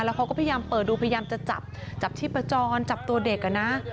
แล้วเขาก็พยายามเปิดดูพยายามจะจับจับชีพจรจับตัวเด็กอ่ะนะ